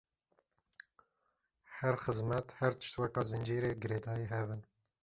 her xîzmet her tişt weka zincîrê girêdayî hev in.